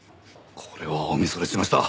これはおみそれしました。